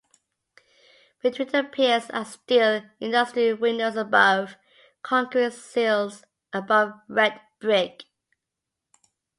Between the piers are steel industrial windows above concrete sills above red brick.